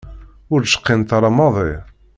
Ur d-cqint ara maḍi.